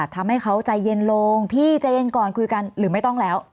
ทำให้เขาใจเย็นลงพี่ใจเย็นก่อนคุยกันหรือไม่ต้องแล้ว